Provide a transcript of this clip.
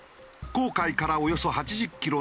紅海からおよそ８０キロ